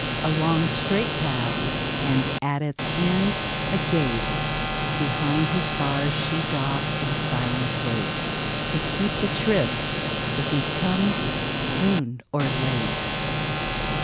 A long, straight path — and, at its end, a gate Behind whose bars she doth in silence wait To keep the tryst, if he comes soon or late